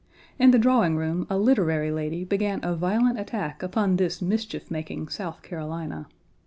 In the drawing room a literary lady began a violent attack upon this mischief making South Carolina.